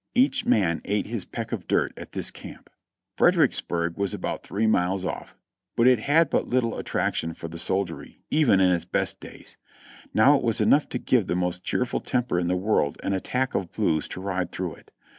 Each man ate his peck of dirt at this camp. Fredericksburg was about three miles off, but it had but little attraction for the soldiery, even in its best days. Now it was enough to give the most cheerful temper in the world an attack of blues to ride through it.